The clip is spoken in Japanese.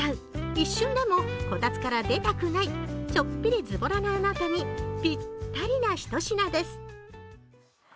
一瞬でもこたつから出たくない、ちょっぴりズボラなあなたにぴったりな一品です。